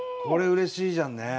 これうれしいじゃんね！